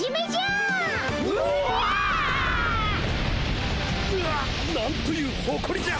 ぬおっなんというほこりじゃ！